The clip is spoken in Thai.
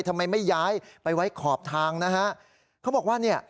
ทำไมไม่ย้ายไปไว้ขอบทางนะฮะเขาบอกว่าเนี่ย